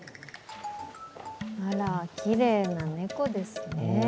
あら、きれいな猫ですね。